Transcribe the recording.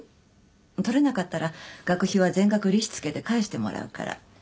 取れなかったら学費は全額利子付けて返してもらうから。